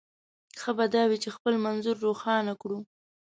ښه به دا وي چې خپل منظور روښانه کړو.